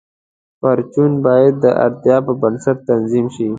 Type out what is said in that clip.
پرچون باید د اړتیا پر بنسټ تنظیم شي.